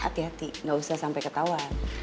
hati hati enggak usah sampai ketauan